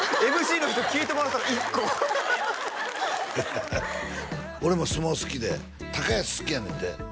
ＭＣの人聞いてもらったの１個俺も相撲好きで高安好きやねんて？